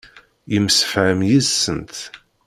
Yemsefham yid-sent.